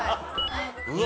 うわ！